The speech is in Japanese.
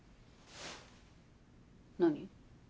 何？